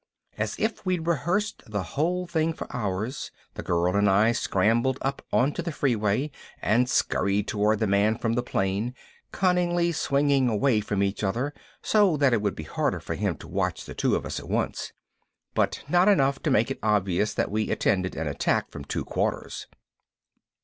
As if we'd rehearsed the whole thing for hours, the girl and I scrambled up onto the freeway and scurried toward the man from the plane, cunningly swinging away from each other so that it would be harder for him to watch the two of us at once, but not enough to make it obvious that we attended an attack from two quarters.